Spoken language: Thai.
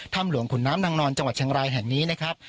หลวงขุนน้ำนางนอนจังหวัดเชียงรายแห่งนี้นะครับ